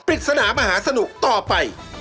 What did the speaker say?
ปริศนามหาสนุกต่อไป